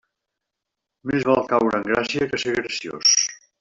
Més val caure en gràcia que ser graciós.